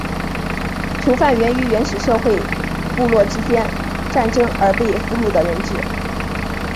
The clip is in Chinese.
囚犯源于原始社会部落之间战争而被俘虏的人质。